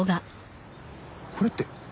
これって夜？